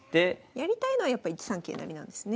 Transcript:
やりたいのはやっぱ１三桂成なんですね。